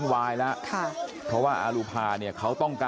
ชาวบ้านในพื้นที่บอกว่าปกติผู้ตายเขาก็อยู่กับสามีแล้วก็ลูกสองคนนะฮะ